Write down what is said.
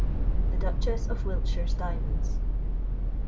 * *THE DUCHESS OF WILTSHIRE'S DIAMONDS.